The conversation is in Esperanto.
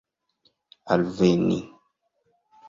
alveni